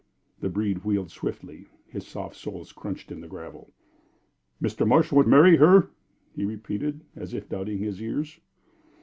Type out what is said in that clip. The breed wheeled swiftly, his soft soles crunching the gravel. "Mr. Marsh want marry her?" he repeated, as if doubting his ears.